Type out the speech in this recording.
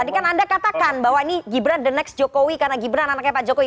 tadi kan anda katakan bahwa ini gibran the next jokowi karena gibran anaknya pak jokowi